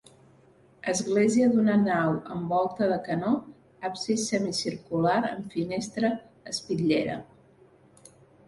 Església d'una nau amb volta de canó, absis semicircular amb finestra espitllera.